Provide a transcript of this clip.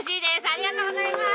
ありがとうございます！